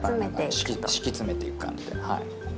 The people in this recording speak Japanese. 敷き詰めていく感じで。